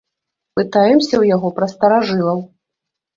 Пытаемся ў яго пра старажылаў.